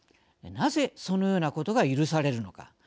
なぜ、そのようなことが許されるのか。